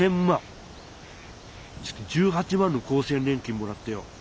月１８万の厚生年金もらってよ